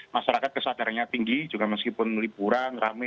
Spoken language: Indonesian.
masyarakat kesadarannya tinggi juga meskipun liburan rame